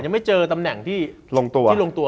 มันยังไม่เจอตำแหน่งที่ลงตัวเขา